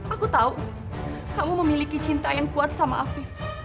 aku tau kamu memiliki cinta yang kuat sama afif